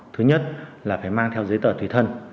thứ nhất là phải mang theo giấy tờ tùy thân